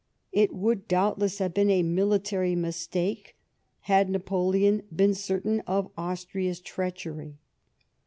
It would, doubtless, have been a military mistake had Napoleon been certain of Austria's treachery."